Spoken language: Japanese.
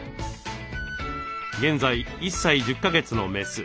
現在１歳１０か月のメス。